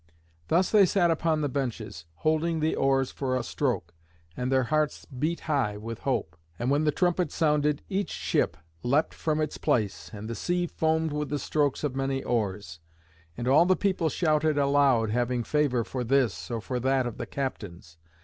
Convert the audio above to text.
Thus they sat upon the benches, holding the oars for a stroke, and their hearts beat high with hope. And when the trumpet sounded each ship leapt from its place, and the sea foamed with the strokes of many oars. And all the people shouted aloud, having favour for this or for that of the captains.